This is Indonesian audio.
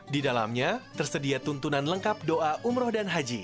di dalamnya tersedia tuntunan lengkap doa umroh dan haji